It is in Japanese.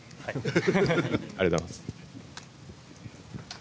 ありがとうございます。